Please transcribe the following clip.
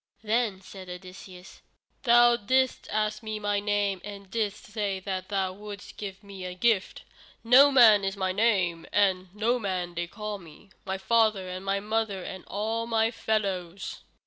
Then said Odysseus: "Thou didst ask me my name, and didst say that thou wouldst give me a gift. Noman is my name, and Noman they call me, my father and mother and all my fellows."